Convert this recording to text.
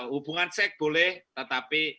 hubungan seks boleh tetapi harusnya ya